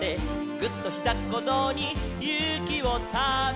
「ぐっ！とひざっこぞうにゆうきをため」